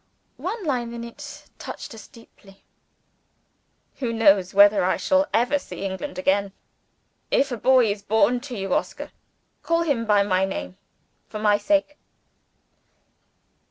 One line in it touched us deeply. "Who knows whether I shall ever see England again! If a boy is born to you, Oscar, call him by my name for my sake."